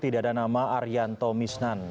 tidak ada nama arianto miss nan